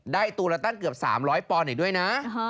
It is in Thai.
ได้ตัวละตั้งเกือบ๓๐๐ปอนด์อีกด้วยนะ